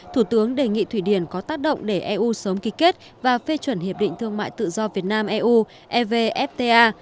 thủ tướng đề nghị thủy điển có tác động để eu sớm ký kết và phê chuẩn hiệp định thương mại tự do việt nam eu evfta